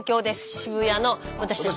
渋谷の私たち